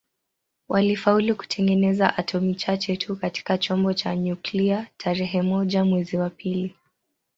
Walifaulu kutengeneza atomi chache tu katika chombo cha nyuklia tarehe moja mwezi wa pili